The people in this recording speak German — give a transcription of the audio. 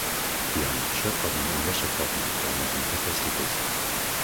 Die Handtücher trocknen am Wäschetrockner, der an der Wand befestigt ist.